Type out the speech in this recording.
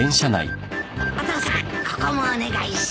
お父さんここもお願いします。